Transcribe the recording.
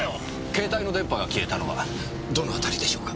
携帯の電波が消えたのはどの辺りでしょうか？